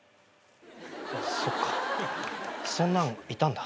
そっかそんなんいたんだ。